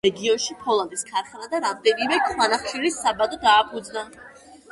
მან რეგიონში ფოლადის ქარხანა და რამდენიმე ქვანახშირის საბადო დააფუძნა.